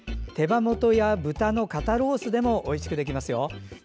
手羽元や、豚の肩ロースでもおいしくできますよ。